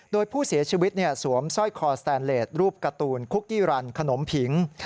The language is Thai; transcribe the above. โดยผู้เสียชีวิตสวมสร้อยคอสแตนเลสรูปการ์ตูนคุกกี้รันขนมผิง